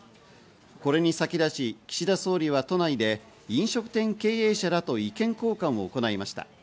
これに先立ち、岸田総理は都内で飲食店経営者らと意見交換を行いました。